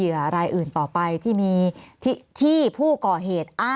มีความรู้สึกว่ามีความรู้สึกว่า